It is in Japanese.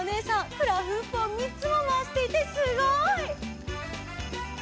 フラフープをみっつもまわしていてすごい！